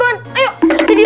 jalan tuh jalan